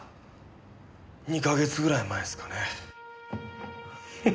２か月ぐらい前っすかね。